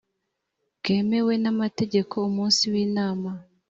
bwemewe n amategeko umunsi w inama